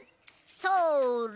それ！